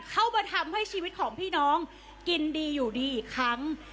เข้ามาทำให้ชีวิตของพี่น้องกินดีอยู่ดีอีกครั้ง